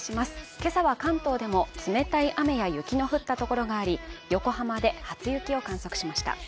今朝は関東でも冷たい雨や雪の降った所があり横浜で初雪を観測しました。